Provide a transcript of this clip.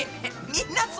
みんな空。